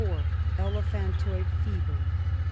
Elephantoid Fever. (5).